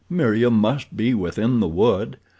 Meriem must be within the wood.